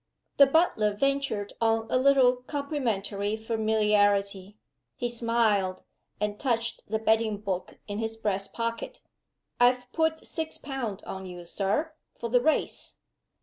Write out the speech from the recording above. The butler ventured on a little complimentary familiarity. He smiled, and touched the betting book in his breast pocket. "I've put six pound on you, Sir, for the Race."